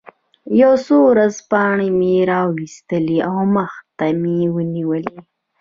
یو څو ورځپاڼې مې را وویستلې او مخې ته مې ونیولې.